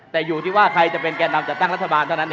แต่อยู่ที่ว่าใครจะเป็นแก่นำจัดตั้งรัฐบาลเท่านั้น